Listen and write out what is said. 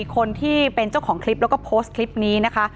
คนที่เป็นเจ้าของคลิปแล้วก็โพสต์คลิปนี้นะคะ